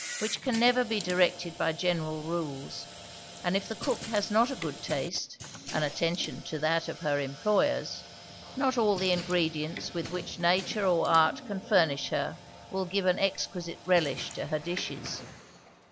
which can never be directed by general rules, and if the cook has not a good taste, and attention to that of her employers, not all the ingredients with which nature or art can furnish her will give an exquisite relish to her dishes.